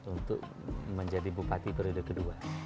untuk menjadi bupati periode kedua